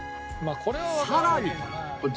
さらに